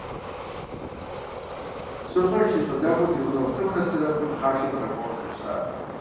СощӀэж си щӀалэгъуэу ди гъунэгъу лӀымрэ сэрэ мыбы пхъашэ дыкъакӀуэу зэрыщытар.